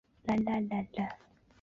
是个有生命力的人文城市